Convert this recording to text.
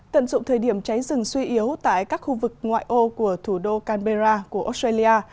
tận dụng thời điểm cháy rừng suy yếu tại các khu vực ngoại ô của thủ đô canberra của australia